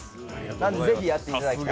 なのでぜひやっていただきたい。